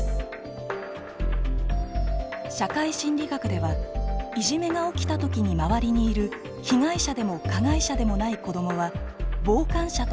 社会心理学ではいじめが起きた時に周りにいる被害者でも加害者でもない子どもは傍観者と呼ばれています。